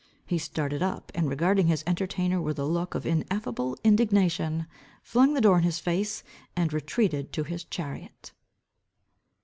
He started up, and regarding his entertainer with a look of ineffable indignation, flung the door in his face, and retreated to his chariot.